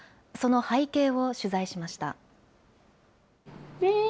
その背景を取材しました。